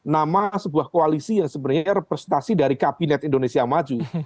nama sebuah koalisi yang sebenarnya representasi dari kabinet indonesia maju